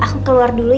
aku keluar dulu ya za